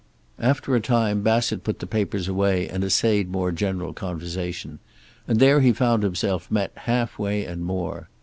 After a time Bassett put the papers away and essayed more general conversation, and there he found himself met half way and more.